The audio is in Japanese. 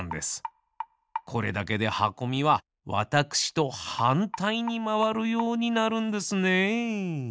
これだけではこみはわたくしとはんたいにまわるようになるんですね。